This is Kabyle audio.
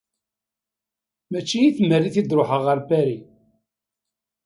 Mačči i tmerrit i d-ruḥeɣ ɣer Paris.